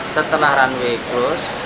setelah runway close